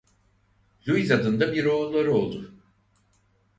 Louis adında bir oğulları oldu.